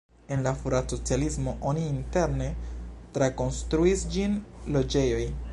En la frua socialismo oni interne trakonstruis ĝin loĝejoj.